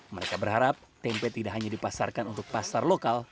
mereka berharap tempe tidak hanya dipasarkan untuk pasar lokal